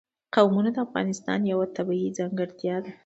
قومونه د افغانستان یوه طبیعي ځانګړتیا ده.